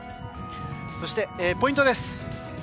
そして、ポイントです。